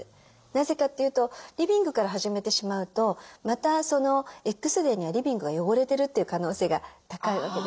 なぜかというとリビングから始めてしまうとまたそのＸデーにはリビングが汚れてるという可能性が高いわけですね。